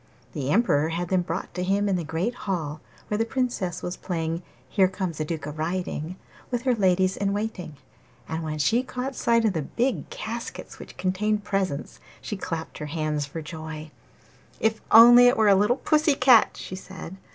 The Emperor had them brought to him in the great hall, where the Princess was playing 'Here comes a duke a riding' with her ladies in waiting. And when she caught sight of the big caskets which contained the presents, she clapped her hands for joy. 'If only it were a little pussy cat!' she said.